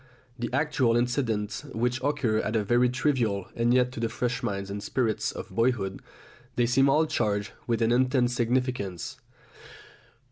The actual incidents which occur are very trivial, and yet to the fresh minds and spirits of boyhood they seem all charged with an intense significance.